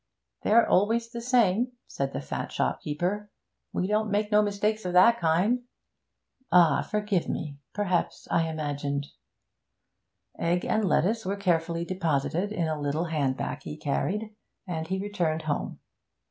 'They're always the same,' said the fat shopkeeper. 'We don't make no mistakes of that kind.' 'Ah! Forgive me! Perhaps I imagined ' Egg and lettuce were carefully deposited in a little handbag he carried, and he returned home.